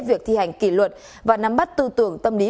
việc thi hành kỷ luật và nắm bắt tư tưởng tâm lý